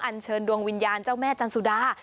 เชิญดวงวิญญาณเจ้าแม่จันสุดา